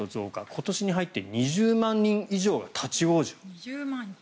今年に入って２０万人以上が立ち往生。